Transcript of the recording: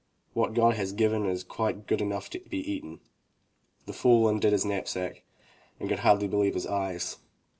What God has given is quite good enough to be eaten." The fool undid his knapsack and could hardly believe his eyes.